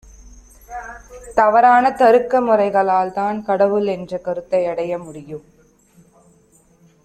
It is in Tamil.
தவறான தருக்க முறைகளால்தான் ‘கடவுள்’ என்ற கருத்தையடைய முடியும்.